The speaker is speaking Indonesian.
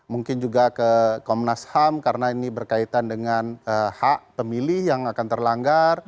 mungkin juga ke komnas ham karena ini berkaitan dengan hak pemilih yang akan terlanggar